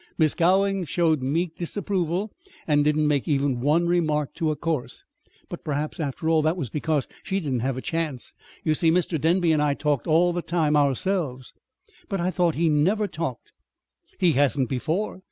Mrs. Gowing showed meek disapproval, and didn't make even one remark to a course but perhaps, after all, that was because she didn't have a chance. You see, Mr. Denby and I talked all the time ourselves." "But I thought he he never talked." "He hasn't before.